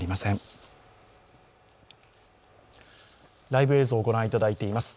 ライブ映像をご覧いただいています。